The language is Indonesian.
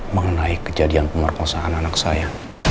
mengenai kejadian pemerkosaan anak saya